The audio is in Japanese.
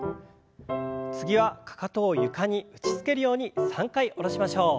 次はかかとを床に打ちつけるように３回下ろしましょう。